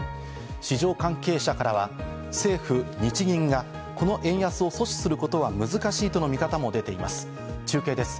市場関係者からは政府・日銀がこの円安を阻止することは難しいとの見方も出ています。